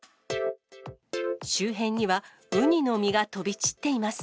周辺にはウニの身が飛び散っています。